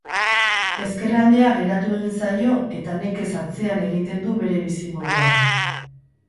Ezker aldea geratu egin zaio eta nekez antzean egiten du bere bizimodua.